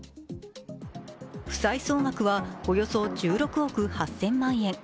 負債総額はおよそ１６億８０００万円。